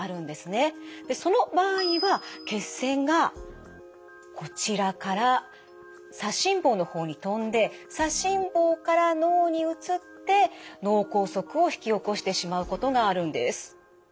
でその場合は血栓がこちらから左心房の方にとんで左心房から脳に移って脳梗塞を引き起こしてしまうことがあるんです。